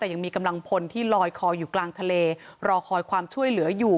แต่ยังมีกำลังพลที่ลอยคออยู่กลางทะเลรอคอยความช่วยเหลืออยู่